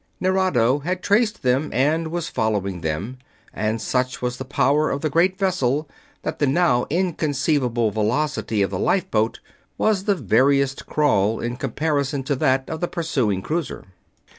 Nerado had traced them and was following them, and such was the power of the great vessel that the now inconceivable velocity of the lifeboat was the veriest crawl in comparison to that of the pursuing cruiser.